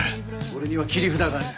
俺には切り札がある。